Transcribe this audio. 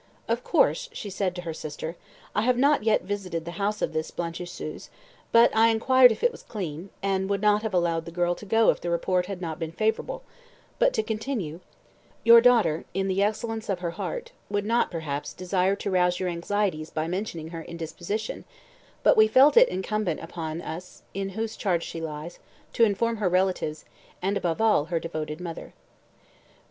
"Of course," she said to her sister, "I have not yet visited the house of this blanchisseuse, but I inquired if it was clean, and, would not have allowed the girl to go if the report had not been favourable; but to continue "Your daughter, in the excellence of her heart, would not, perhaps, desire to rouse your anxieties by mentioning her indisposition, but we felt it incumbent upon us, in whose charge she lies, to inform her relatives, and, above all, her devoted mother.